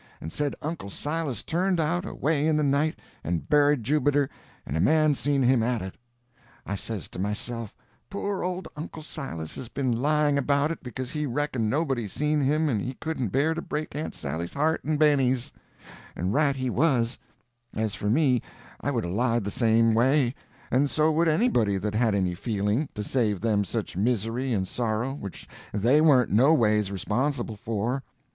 And said Uncle Silas turned out, away in the night, and buried Jubiter, and a man seen him at it. I says to myself, poor old Uncle Silas has been lying about it because he reckoned nobody seen him and he couldn't bear to break Aunt Sally's heart and Benny's; and right he was: as for me, I would 'a' lied the same way, and so would anybody that had any feeling, to save them such misery and sorrow which they warn't no ways responsible for.